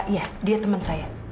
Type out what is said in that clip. iya dia teman saya